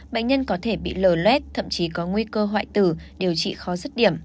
bệnh nhân có thể bị lờ lét thậm chí có nguy cơ hoại tử điều trị khó dứt điểm